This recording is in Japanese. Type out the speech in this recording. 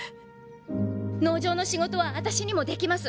農場の仕事は私にもできます。